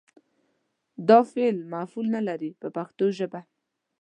دا فعل مفعول نه لري په پښتو ژبه.